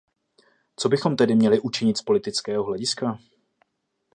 Co bychom tedy měli učinit z politického hlediska?